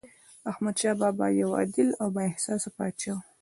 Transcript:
احمدشاه بابا یو عادل او بااحساسه پاچا و.